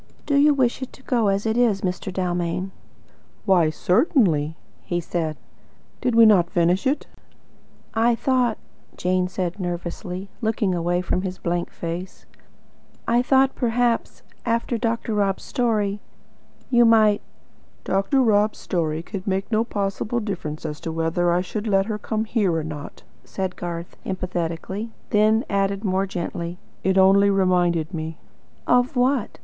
"Do you wish it to go as it is, Mr. Dalmain?" "Why certainly," he said. "Did we not finish it?" "I thought," said Jane nervously, looking away from his blank face, "I thought perhaps after Dr. Rob's story you might " "Dr. Rob's story could make no possible difference as to whether I should let her come here or not," said Garth emphatically; then added more gently: "It only reminded me " "Of what?"